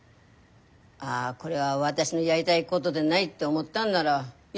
ああこれは私のやりたいごどでないって思ったんならや